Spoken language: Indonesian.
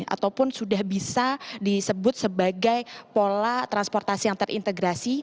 ataupun sudah bisa disebut sebagai pola transportasi yang terintegrasi